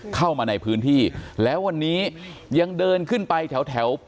เข้ามาในพื้นที่แล้ววันนี้ยังเดินขึ้นไปแถวแถว